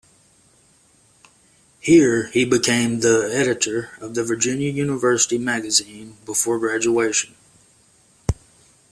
Here he became the editor of the Virginia University Magazine before graduation.